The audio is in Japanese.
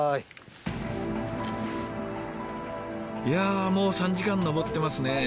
いやもう３時間登ってますね。